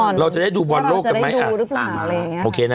ว่าเราจะได้ดูรึเปล่าอะไรอย่างเงี้ยโอเคนะฮะ